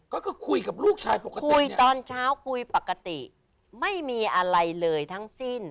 ก็คือคุยกับลูกชายปกติคุยตอนเช้าคุยปกติไม่มีอะไรเลยทั้งสิ้น